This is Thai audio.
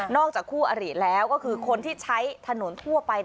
จากคู่อริแล้วก็คือคนที่ใช้ถนนทั่วไป